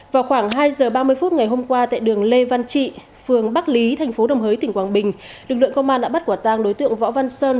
vào khoảng hai giờ ba mươi phút ngày hôm qua tại đường lê văn trị phường bắc lý thành phố đồng hới tỉnh quảng bình lực lượng công an đã bắt quả tang đối tượng võ văn sơn